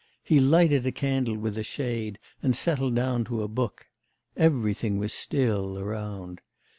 He lighted a candle with a shade, and settled down to a book. Everything was still around.